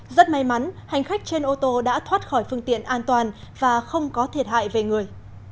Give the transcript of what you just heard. rất may mắn hành khách trên ô tô đã thoát khỏi phương tiện an toàn và không có thiệt hại về người